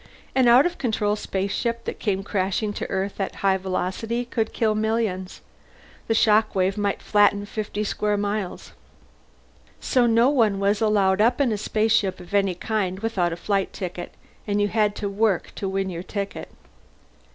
An out of control spaceship that came crashing to Earth at high velocity could kill millions; the shock wave might flatten fifty square miles. So no one was allowed up in a spaceship of any kind without a flight ticket and you had to work to win your ticket.